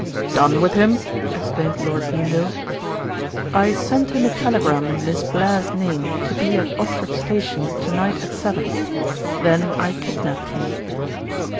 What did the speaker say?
"Done with him?" exclaimed Lord Beamdale. "I sent him a telegram in Miss Blair's name to be at Odford Station to night at seven: then I kidnapped him."